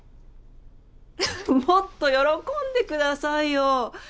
もっと喜んでくださいよ！